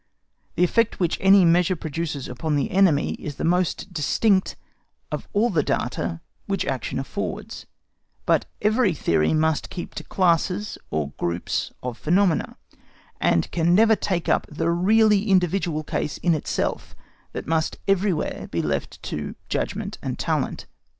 The effect which any measure produces upon the enemy is the most distinct of all the data which action affords; but every theory must keep to classes (or groups) of phenomena, and can never take up the really individual case in itself: that must everywhere be left to judgment and talent.